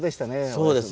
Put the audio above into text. そうです。